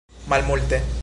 malmulte